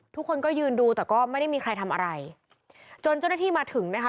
ทุกคนก็ยืนดูแต่ก็ไม่ได้มีใครทำอะไรจนเจ้าหน้าที่มาถึงนะคะ